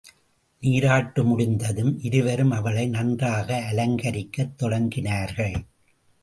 நீராட்டு முடிந்ததும் இருவரும் அவளை நன்றாக அலங்கரிக்கத் தொடங்கினார்கள்.